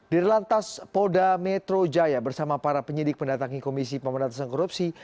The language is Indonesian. dir lantas poda metro jaya bersama para penyidik pendatangi komisi pemerintah sang korupsi